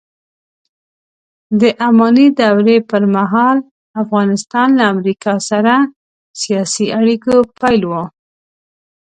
د اماني دورې پرمهال افغانستان له امریکا سره سیاسي اړیکو پیل و